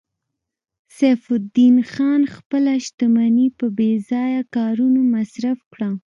سیف الدین خان خپله شتمني په بې ځایه کارونو مصرف کړه